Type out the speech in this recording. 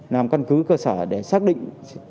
làm căn cứ cơ sở để xác định